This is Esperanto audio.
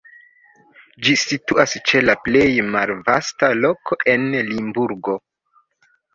Ĝi situas ĉe la plej malvasta loko en Limburgo.